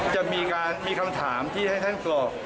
จะมีคำถามที่ให้ท่านกรอก